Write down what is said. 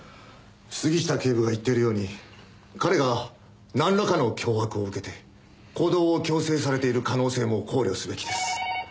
杉下警部が言っているように彼がなんらかの脅迫を受けて行動を強制されている可能性も考慮すべきです。